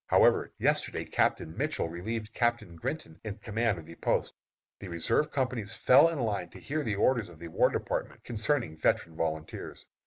However, yesterday Captain Mitchell relieved Captain Grinton in command of the post. The reserve companies fell in line to hear the orders of the War Department, concerning veteran volunteers.